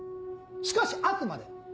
しかしあくまで！